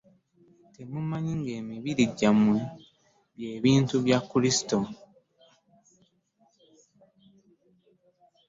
Temumanyi ng'emibiri gyammwe bye bitundu bya Kristo?